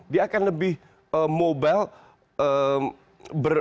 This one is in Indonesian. dia akan lebih mobile